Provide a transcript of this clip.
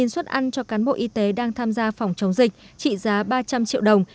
một mươi suất ăn cho cán bộ y tế đang tham gia phòng chống dịch trị giá ba trăm linh triệu đồng